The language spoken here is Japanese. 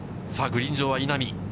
グリーン上は稲見。